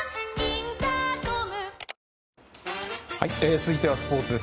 続いてはスポーツです。